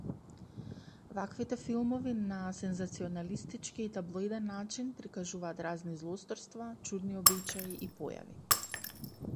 Ваквите филмови на сензационалистички и таблоиден начин прикажуваат разни злосторства, чудни обичаи и појави.